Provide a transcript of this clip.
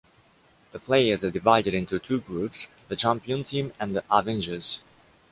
The players are divided into two groups: the champion team and the Avengers.